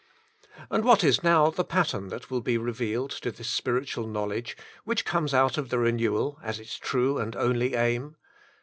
And what is now the pattern that will be re vealed to this spiritual knowledge which comes out of the renewal as its true and only aim